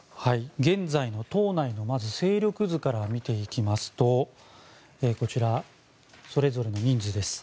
現在の党内のまず勢力図から見ていきますとこちら、それぞれの人数です。